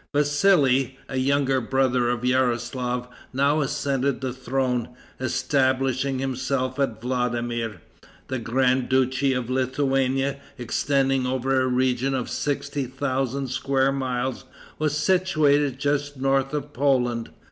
Vassali, a younger brother of Yaroslaf, now ascended the throne, establishing himself at Vladimir. The grand duchy of Lithuania, extending over a region of sixty thousand square miles, was situated just north of Poland.